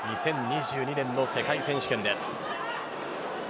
２０２２年の世界選手権です。